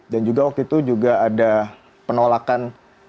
dan juga waktu itu juga ada penolakan